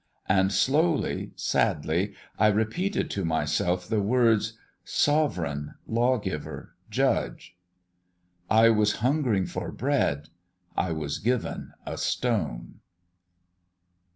And slowly, sadly, I repeated to myself the words Sovereign, Lawgiver, Judge. I was hungering for bread; I was given a stone.